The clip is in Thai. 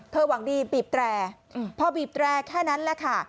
หวังดีบีบแตรพอบีบแตรแค่นั้นแหละค่ะ